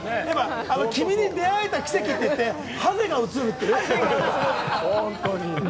君に出会えた奇跡って言って、ハゼが映るっていうね。